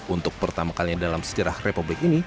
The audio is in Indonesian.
untuk pertama kalinya dalam sejarah republik ini